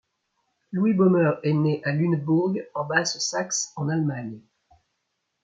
Louis Boehmer est né à Lunebourg en Basse-Saxe en Allemagne.